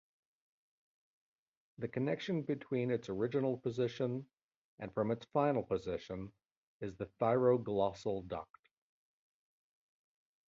The connection between its original position and its final position is the thyroglossal duct.